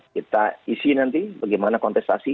kita isi nanti bagaimana kontestasi